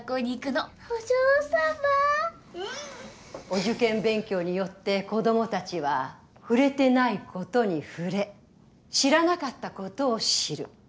お受験勉強によって子供たちは触れてないことに触れ知らなかったことを知る。